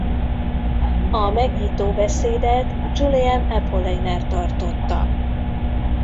A megnyitó beszédet Guillaume Apollinaire tartotta.